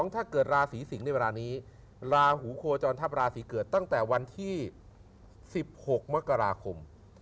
ถ้าเกิดราศีสิงศ์ในเวลานี้ราหูโคจรทัพราศีเกิดตั้งแต่วันที่๑๖มกราคม